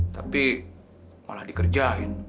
tapi malah dikerjain